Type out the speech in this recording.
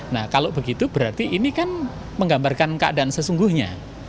nah kalau begitu berarti ini kan menggambarkan keadaan sesungguhnya